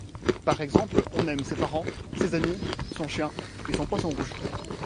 Par exemple, on aime ses parents, ses amis, son chien et son poisson rouge.